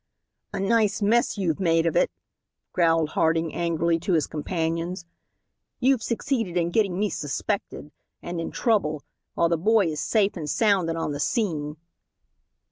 "A nice mess you've made of it," growled Harding angrily to his companions. "You've succeeded in getting me suspected, and in trouble, while the boy is safe and sound and on the scene."